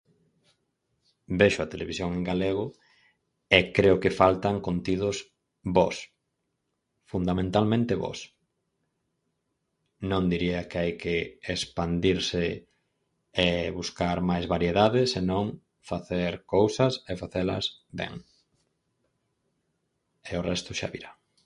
Vexo a televisión en galego e creo que faltan contidos bos, fundamentalmente bos. Non diría que hai que expandirse e buscar máis variedades, se non facer cousas e facelas ben e o resto xa virá.